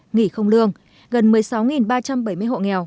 nghỉ không lương gần một mươi sáu ba trăm bảy mươi hộ nghèo